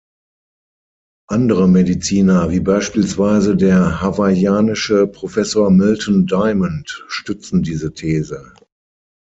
Andere Mediziner wie beispielsweise der hawaiianische Professor Milton Diamond stützen diese These.